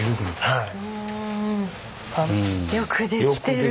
はい。